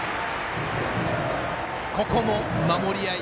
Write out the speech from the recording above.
ここも守りあい